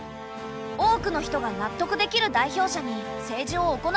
多くの人が納得できる代表者に政治を行ってほしいよね。